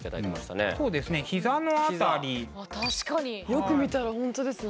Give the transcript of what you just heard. よく見たらほんとですね。